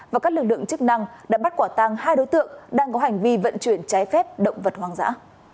và các lực lượng chức năng đã bắt quả tăng hai đối tượng đang có hành vi vận chuyển trái phép động vật hoang dã